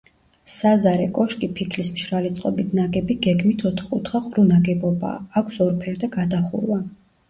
საზარე კოშკი ფიქლის მშრალი წყობით ნაგები გეგმით ოთხკუთხა ყრუ ნაგებობაა, აქვს ორფერდა გადახურვა.